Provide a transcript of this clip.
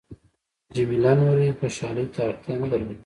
جميله نورې خوشحالۍ ته اړتیا نه درلوده.